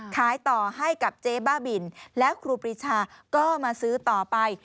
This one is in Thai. ขายต่อให้กับเจ๊บ้าบินแล้วครูปรีชาก็มาซื้อต่อไป